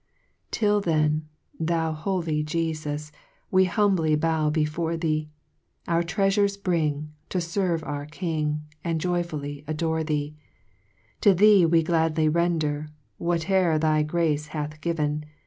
6 Till then, thou holy Jefus, We humbly bow before thee, Our treafures bring, To ferve our King, And joyfully adore thee : To Thee we gladly render Whatc'er thy grace hath given.